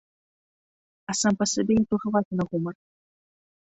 А сам па сабе я тугаваты на гумар.